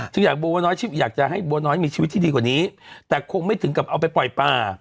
จึงอยากให้บัวน้อยมีชีวิตที่ดีกว่านี้แต่คงไม่ถึงกับเอาไปปล่อยปลา